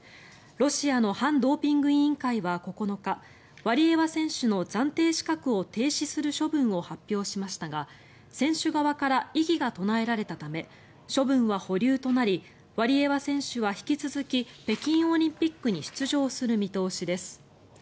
ロシアの反ドーピング委員会は９日ワリエワ選手の暫定資格を停止する処分を発表しましたが選手側から異議が唱えられたため処分は保留となりワリエワ選手は引き続き北京オリンピックに出場する見通しです。